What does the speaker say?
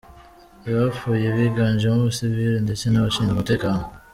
Abapfuye biganjemo abasivili ndetse n’abashinzwe umutekano.